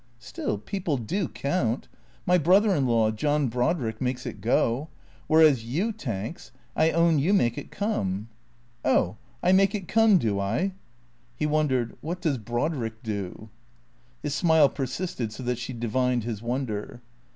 " Still, people do count. My brother in law, John Brodrick, makes it go. Whereas you. Tanks, I own you make it come," " Oh, I make it come, do I ?" He wondered, " Wliat does Brodrick do ?" His smile persisted, so that she divined his wonder.